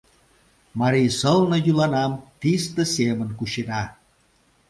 Марий сылне йӱланам тисте семын кучена.